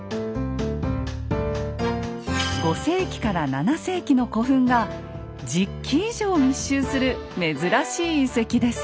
５世紀から７世紀の古墳が１０基以上密集する珍しい遺跡です。